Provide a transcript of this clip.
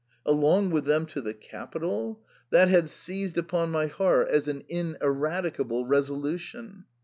Along with them to the capital ! that had 44 THE PERM ATA. seized upon my heart as an ineradicable resolution.